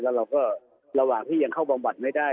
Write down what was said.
แล้วเราก็ระหว่างที่ยังเข้าบำบัดไม่ได้